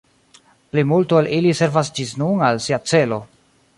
Plimulto el ili servas ĝis nun al sia celo.